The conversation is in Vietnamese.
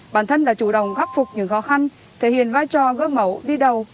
bản thân là chủ đồng góp phục những khó khăn thể hiện vai trò gỡ mẫu đi đầu